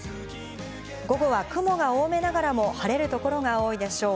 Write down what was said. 午後は雲が多めながらも晴れる所が多いでしょう。